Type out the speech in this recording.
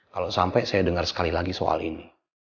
kalau sampai saya dengar sekali lagi soal ini